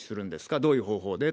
どういう方法で？